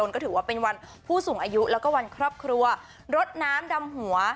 ก็ถือว่าเป็นวันผู้สูงอายุแล้วก็วันครอบครัวรดน้ำดำหัว